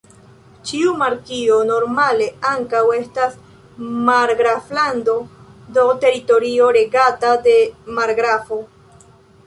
Ĉiu markio normale ankaŭ estas margraflando, do, teritorio regata de margrafo.